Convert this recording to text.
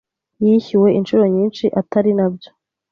yishyuwe inshuro nyinshi Atari nabyo